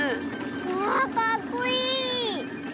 わあかっこいい！